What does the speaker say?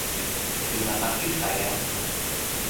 Terima kasih, sayang.